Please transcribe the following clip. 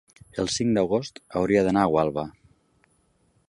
el cinc d'agost hauria d'anar a Gualba.